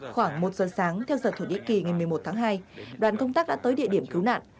khoảng một giờ sáng theo giờ thổ nhĩ kỳ ngày một mươi một tháng hai đoàn công tác đã tới địa điểm cứu nạn